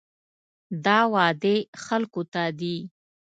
دا وعدې خلکو ته دي.